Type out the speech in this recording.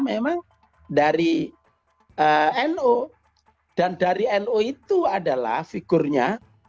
memang dari no dan dari no itu adalah figurnya